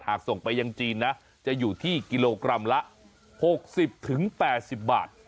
ส่งไปยังจีนนะจะอยู่ที่กิโลกรัมละ๖๐๘๐บาท